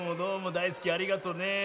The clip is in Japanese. だいすきありがとうね。